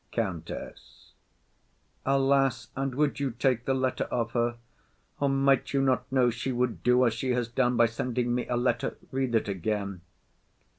COUNTESS. Alas! and would you take the letter of her? Might you not know she would do as she has done, By sending me a letter? Read it again.